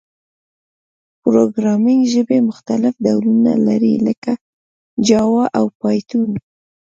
پروګرامینګ ژبي مختلف ډولونه لري، لکه جاوا او پایتون.